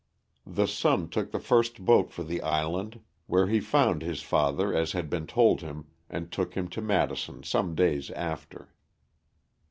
The son took the first boat for the island, where he found his father as had been told him, and took him to Madison some days after.